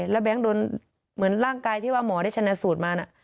แล้วแบงค์โดนเหมือนร่างกายที่ว่าหมอได้ชนะสูตรมานะ